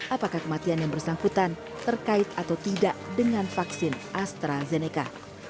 apakah kematian yang bersangkutan terkait atau tidak dengan vaksin astrazeneca